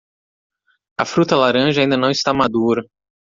A fruta laranja ainda não está madura.